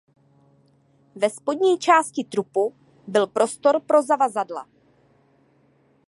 Ve spodní části trupu byl prostor pro zavazadla.